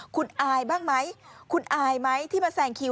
คุณอายบ้างไหมคุณอายไหมที่มาแซงคิว